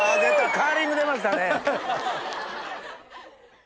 カーリング出ましたね。